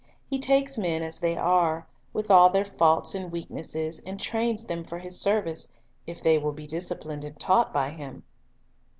He takes men as they are, with all their faults and weaknesses, and trains them for His service, if they will be disciplined and taught by Him.